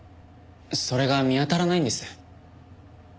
それが見当たらないんです。